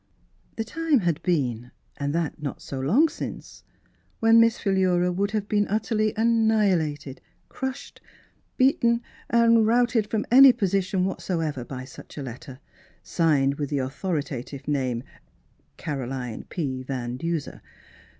The time had been, and that not so long since, when Miss Philura would have been utterly annihilated, crushed, beaten and routed from any position whatsoever by such a letter, signed with the authoritative name, Caroline P. Van Duser.